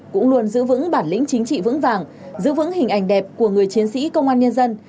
cũng luôn giữ vững bản lĩnh chính trị vững vàng giữ vững hình ảnh đẹp của người chiến sĩ công an nhân dân